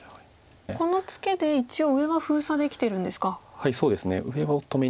このツケで一応上は封鎖できてるんですか。